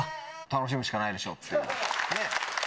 楽しむしかないでしょっていねえ。